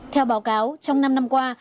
theo báo cáo trong năm năm qua